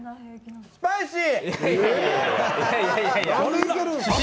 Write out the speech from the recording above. スパイシー！